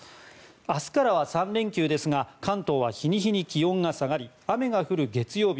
明日からは３連休ですが関東は日に日に気温が下がり雨が降る月曜日